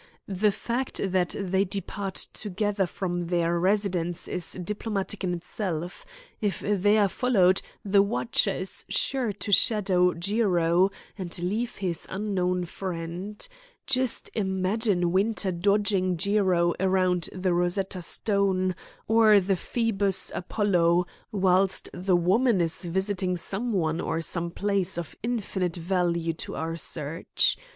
The fact that they depart together from their residence is diplomatic in itself. If they are followed, the watcher is sure to shadow Jiro and leave his unknown friend. Just imagine Winter dodging Jiro around the Rosetta Stone or the Phoebus Apollo, whilst the woman is visiting some one or some place of infinite value to our search.